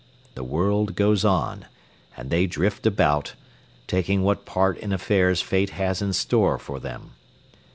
The world goes on, and they drift about, taking what part in affairs Fate has in store for them.